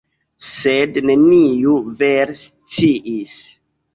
Sed neniu vere sciis.